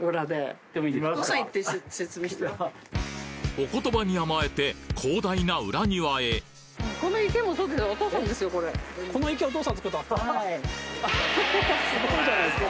お言葉に甘えて広大な裏庭へすごいじゃないですか。